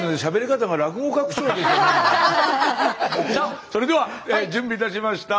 さあそれでは準備いたしました。